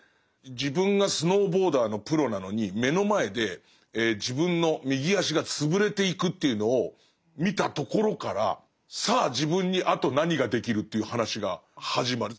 自分がスノーボーダーのプロなのに目の前で自分の右足が潰れていくというのを見たところからさあ自分にあと何ができるという話が始まる。